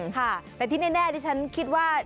ค่ะแต่ที่แน่ที่ฉันคิดว่า